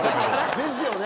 ですよね。